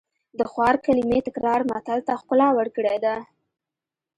د خوار کلمې تکرار متل ته ښکلا ورکړې ده